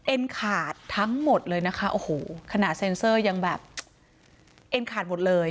ขาดทั้งหมดเลยนะคะโอ้โหขณะเซ็นเซอร์ยังแบบเอ็นขาดหมดเลย